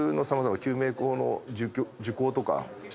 救命講の受講とかした。